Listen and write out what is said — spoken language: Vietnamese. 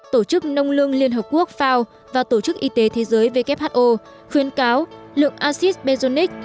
tổ chức nông lương liên hợp quốc và tổ chức y tế thế giới khuyến cáo lượng acid benzoic